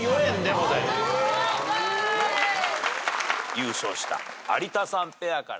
優勝した有田さんペアから。